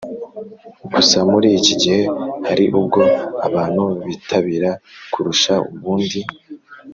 gusa muri iki gihe hari ubwo abantu bitabira kurusha ubundi.